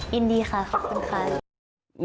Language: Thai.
ยินดีค่ะขอบคุณค่ะ